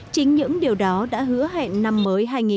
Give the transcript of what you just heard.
chính những điều đó đã hứa hẹn năm mới hai nghìn hai mươi